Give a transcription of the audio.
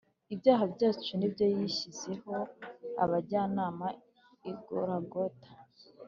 ibyaha byacu nibyo yishyizeho abajyana igorogota